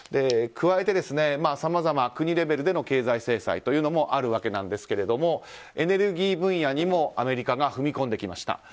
加えて、さまざま国レベルでの経済制裁があるわけなんですけれどもエネルギー分野にもアメリカが踏み込んできました。